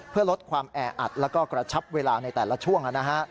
เพื่อลดความแออัดแล้วก็กระชับเวลาในแต่ละช่วง